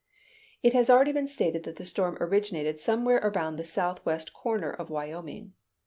It has already been stated that the storm originated somewhere about the southwest corner of Wyoming.